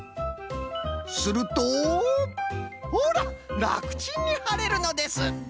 するとほららくちんにはれるのです！